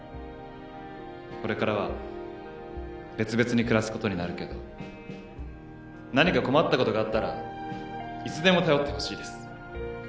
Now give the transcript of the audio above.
これからは別々に暮らすことになるけど何か困ったことがあったらいつでも頼ってほしいです。